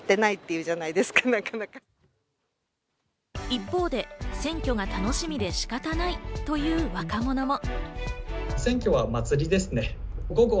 一方で、選挙が楽しみで仕方ないという若者も。